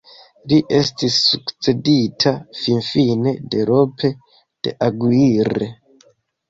Li estis sukcedita finfine de Lope de Aguirre.